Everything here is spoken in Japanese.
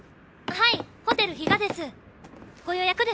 はい。